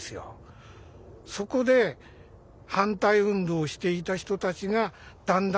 そこで反対運動をしていた人たちがだんだんだんだん別れていく。